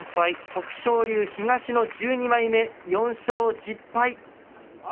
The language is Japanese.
徳勝龍、東の１２枚目４勝１０敗。